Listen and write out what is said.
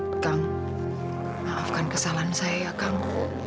akang maafkan kesalahan saya ya akang